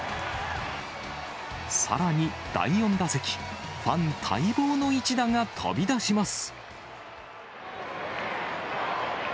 さらに第４打席、ファン待望の一打が飛び出します。